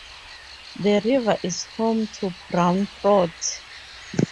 The river is home to brown trout.